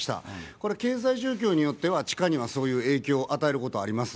これは経済状況によっては地価にはそういう影響を与えること、あります。